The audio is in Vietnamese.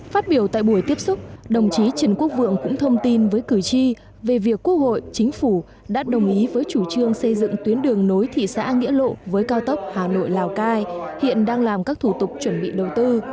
phát biểu tại buổi tiếp xúc đồng chí trần quốc vượng cũng thông tin với cử tri về việc quốc hội chính phủ đã đồng ý với chủ trương xây dựng tuyến đường nối thị xã nghĩa lộ với cao tốc hà nội lào cai hiện đang làm các thủ tục chuẩn bị đầu tư